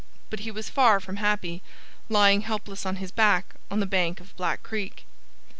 But he was far from happy, lying helpless on his back on the bank of Black Creek.